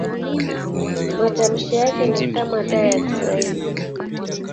Matamshi yake ni kama D ya Kiswahili.